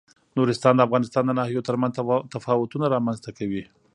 نورستان د افغانستان د ناحیو ترمنځ تفاوتونه رامنځ ته کوي.